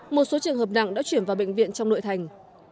một số trường hợp nặng đã chuyển vào bệnh viện trong nội thành